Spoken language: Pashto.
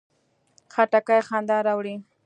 خټکی خندا راوړي.